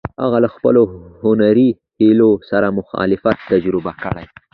هغه له خپلو هنري هیلو سره مخالفت تجربه کړ.